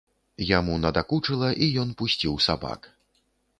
Яму надакучыла, і ён пусціў сабак.